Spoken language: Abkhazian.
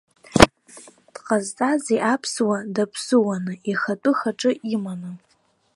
Дҟазҵазеи аԥсуа даԥсуаны, ихатәы хаҿы иманы?